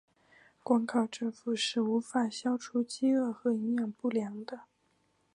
光靠政府是无法消除饥饿和营养不良的。